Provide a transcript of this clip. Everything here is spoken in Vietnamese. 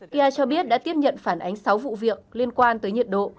kia cho biết đã tiếp nhận phản ánh sáu vụ việc liên quan tới nhiệt độ